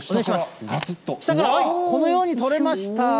下から、このように取れました。